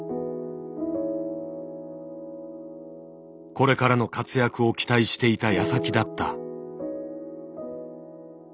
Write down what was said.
これからの活躍を期待していたやさきだった。